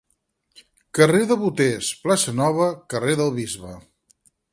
Carrer de Boters, plaça Nova, carrer del Bisbe.